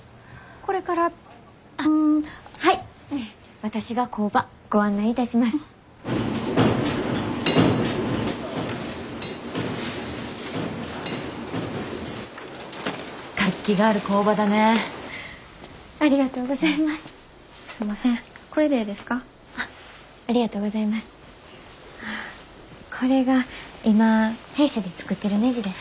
これが今弊社で作ってるねじです。